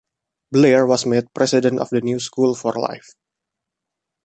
Blair was made president of the new school for life.